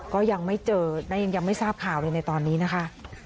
ก็ยังไม่เจอและยังไม่ทราบข่าวเลยในตอนนี้นะคะ